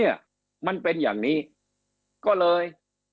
เนี่ยมันเป็นอย่างนี้ก็เลย